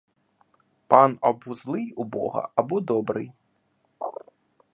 Пан або злий у бога, або добрий.